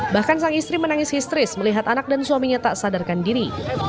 bahkan sang istri menangis histeris melihat anak dan suaminya tak sadarkan diri